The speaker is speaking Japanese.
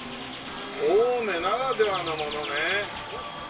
青梅ならではのものね。